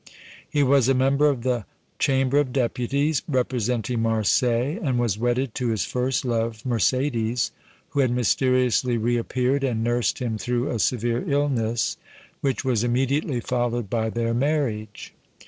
He was a member of the Chamber of Deputies, representing Marseilles, and was wedded to his first love, Mercédès, who had mysteriously reappeared and nursed him through a severe illness, which was immediately followed by their marriage.